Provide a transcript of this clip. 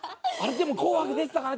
でも『紅白』出てたかな？